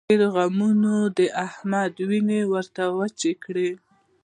ډېرو غمونو د احمد وينې ور وچې کړې.